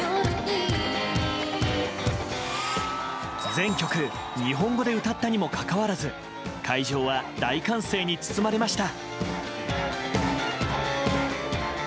全曲、日本語で歌ったにもかかわらず会場は大歓声に包まれました。